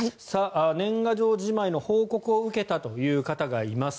年賀状じまいの報告を受けたという方がいます。